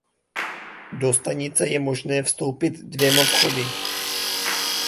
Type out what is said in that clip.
Do stanice je možné vstoupit dvěma vchody.